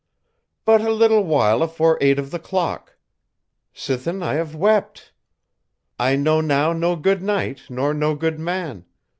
"But a little while afore eight of the clock. Sithen I have wept. I know now no good knight, nor no good man.